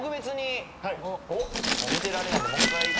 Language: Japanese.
見てられないんで。